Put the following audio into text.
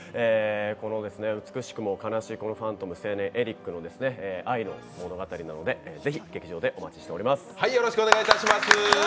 この美しくも悲しいファントム青年・エリックの愛の物語なのでぜひ劇場でお待ちしております